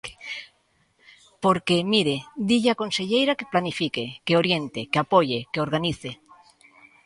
Porque, mire: dille á conselleira que planifique, que oriente, que apoie, que organice.